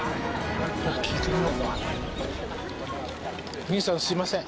お兄さんすいません。